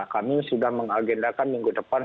kami sudah mengagendakan minggu depan